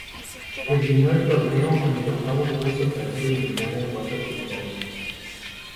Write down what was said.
Terminó el torneo en el octavo puesto, tras ser eliminada en cuartos de final.